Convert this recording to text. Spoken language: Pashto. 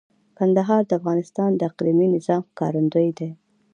کندهار د افغانستان د اقلیمي نظام ښکارندوی دی.